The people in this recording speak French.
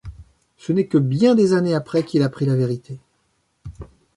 Ce n'est que bien des années après qu'il apprit la vérité.